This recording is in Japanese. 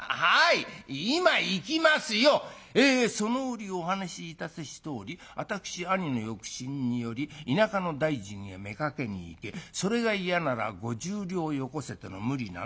『その折お話しいたせしとおり私兄の欲心により田舎の大尽へ妾に行けそれが嫌なら５０両よこせとの無理難題。